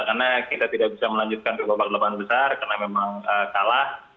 karena kita tidak bisa melanjutkan ke babak delapan besar karena memang kalah